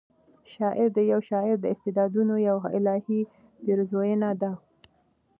شعر د یوه شاعر د استعدادونو یوه الهې پیرزویَنه ده.